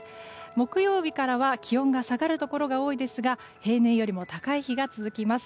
木曜日からは気温が下がるところが多いですが平年よりも高い日が続きます。